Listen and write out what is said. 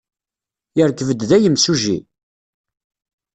Yerkeb-d da yimsujji?